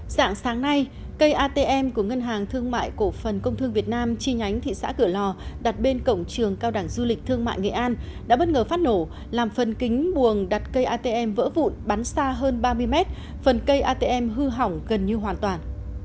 dạng sáng nay cây atm của ngân hàng thương mại cổ phần công thương việt nam chi nhánh thị xã cửa lò đặt bên cổng trường cao đẳng du lịch thương mại nghệ an đã bất ngờ phát nổ làm phần kính buồng đặt cây atm vỡ vụn bắn xa hơn ba mươi mét phần cây atm hư hỏng gần như hoàn toàn